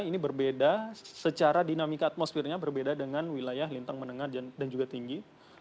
ini berbeda secara dinamika atmosfernya berbeda dengan wilayah lintang menengah dan juga tinggi